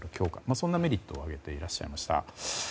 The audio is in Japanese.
そんなメリットを挙げていらっしゃいました。